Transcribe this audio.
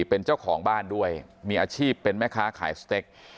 เป็นเจ้าของบ้านด้วยมีอาชีพเป็นแม่ค้าขายสเต็ก